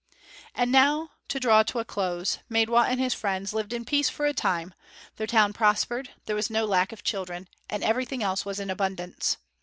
And now to draw to a close, Maidwa and his friends lived in peace for a time; their town prospered; there was no lack of children; and everything else was in abundance.